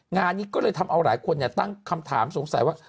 งานนี้ออกมาให้หลายคนตั้งคำถามสงสัยว่า